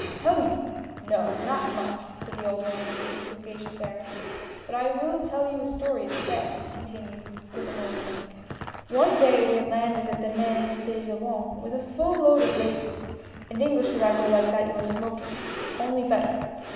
" Tell you ? no, not much !" said the old Normand with a sagacious air, "but I will tell you a story instead," he continued, with a knowing wink :" One day we had landed at the Nez de Jobourg a full load of laces, and English tobacco like that you are smoking, only better.